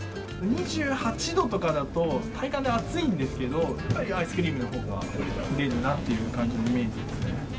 ２８度とかだと、体感で暑いんですけど、やっぱりアイスクリームのほうが出るなという感じのイメージですね。